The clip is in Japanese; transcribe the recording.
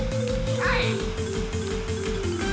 はい！